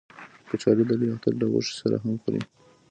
کچالو د لوی اختر له غوښې سره هم خوري